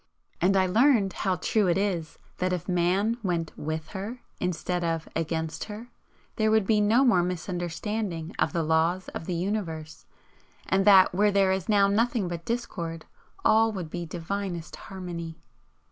And I learned how true it is that if Man went WITH her instead of AGAINST her, there would be no more misunderstanding of the laws of the Universe, and that where there is now nothing but discord, all would be divinest harmony.